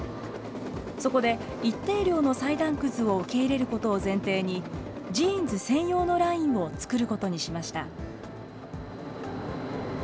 そこで一定量の裁断くずを受け入れることを前提に、ジーンズ専用のラインを作ることにしました。